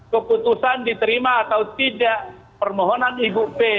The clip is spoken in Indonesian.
keputusan diterima atau tidak permohonan ibu p